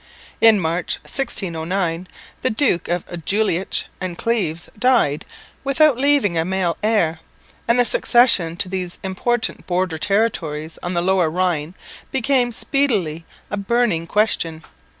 In March, 1609, the Duke of Jülich and Cleves died without leaving a male heir, and the succession to these important border territories on the Lower Rhine became speedily a burning question.